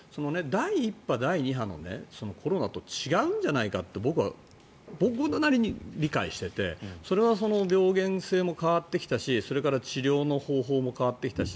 第１波、第２波のコロナと違うんじゃないかって僕なりに理解していてそれは病原性も変わってきたしそれから治療の方法も変わってきたし。